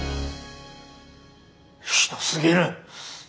ひどすぎる！